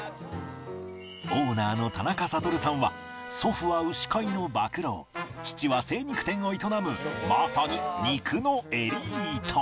オーナーの田中覚さんは祖父は牛飼いの馬喰父は精肉店を営むまさに肉のエリート